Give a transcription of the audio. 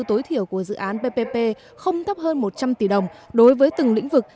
tối thiểu của dự án ppp không thấp hơn một trăm linh tỷ đồng đối với từng lĩnh vực